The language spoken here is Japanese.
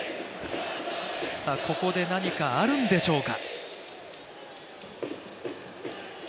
ここで何かあるんでしょうか。